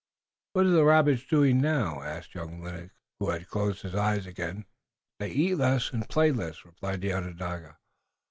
"What are the rabbits doing now?" asked young Lennox, who had closed his eyes again. "They eat less and play less," replied the Onondaga.